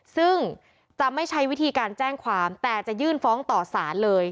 ซึ่งจะไม่ใช้วิธีการแจ้งความแต่จะยื่นฟ้องต่อสารเลย